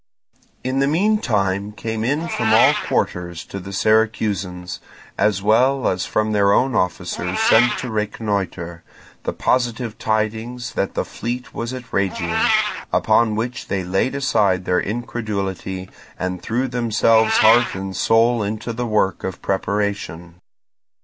In the meantime came in from all quarters to the Syracusans, as well as from their own officers sent to reconnoitre, the positive tidings that the fleet was at Rhegium; upon which they laid aside their incredulity and threw themselves heart and soul into the work of preparation.